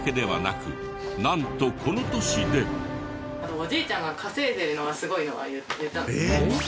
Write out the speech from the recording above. おじいちゃんが稼いでるのがすごいのは言ったの？